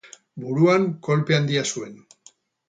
Buruan kolpe handia zuen.